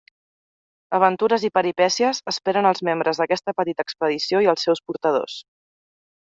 Aventures i peripècies esperen els membres d'aquesta petita expedició i els seus portadors.